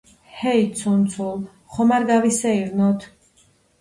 ჰეი ცუნცულ, ხომ არ გავისეირნოთ?